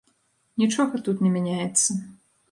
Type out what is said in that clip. Нічога тут не мяняецца.